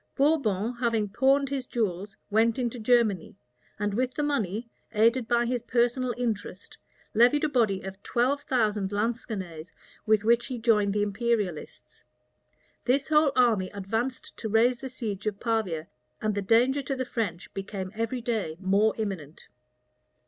Bourbon, having pawned his jewels, went into Germany, and with the money, aided by his personal interest, levied a body of twelve thousand Lansquenets, with which he joined the imperialists. This whole army advanced to raise the siege of Pavia; and the danger to the French became every day more imminent.